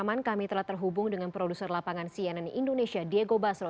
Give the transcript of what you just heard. bersama kami telah terhubung dengan produser lapangan cnn indonesia diego basro